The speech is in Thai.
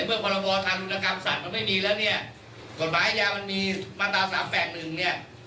ในเมื่อพรบทารุณกรรมสัตว์มันไม่มีแล้วเนี่ยกฎหมายอาญามันมีมาตรา๓๘๑เนี่ย